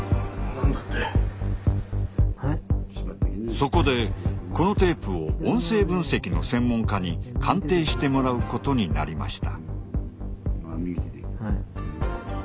そこでこのテープを音声分析の専門家に鑑定してもらうことになりました。